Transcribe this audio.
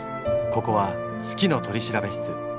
ここは「好きの取調室」。